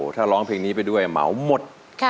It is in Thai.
ถ้าร้องเพลงนี้ไปด้วยเหมาหมด